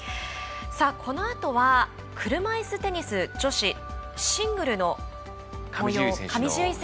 このあとは車いすテニス女子シングルスのもよう。